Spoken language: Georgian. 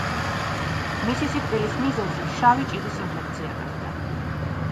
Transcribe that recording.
მისი სიკვდილის მიზეზი შავი ჭირის ინფექცია გახდა.